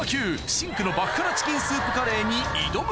真紅の爆辛チキンスープカレーに挑む！